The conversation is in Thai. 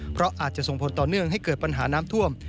เพราะอาจจะส่งผลต่อเนื่องให้เกิดปัญหาน้ำท่วม